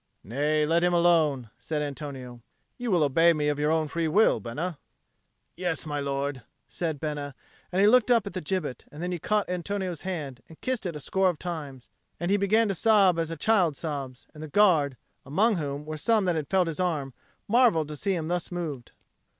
"Nay, let him alone," said Antonio. "You will obey me of your free will, Bena?" "Yes, my lord," said Bena; and he looked up at the gibbet; and then he caught Antonio's hand and kissed it a score of times; and he began to sob as a child sobs. And the Guard, among whom were some that had felt his arm, marvelled to see him thus moved.